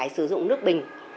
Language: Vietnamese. sử dụng nước bình